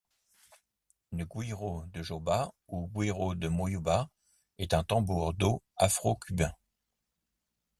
Le güiro de joba ou güiro de moyuba est un tambour d'eau afro-cubain.